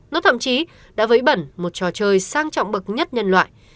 nó thậm chí đã vấy bẩn một trò chơi sang trọng bậc nhất nhân loại